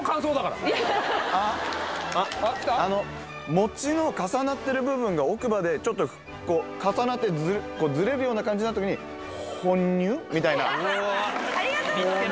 餅の重なってる部分が奥歯で重なってずれるような感じになった時にほにゅみたいなありがとうございます！